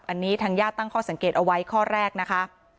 อันนี้ทางญาติตั้งข้อสังเกตเอาไว้ข้อแรกนะคะ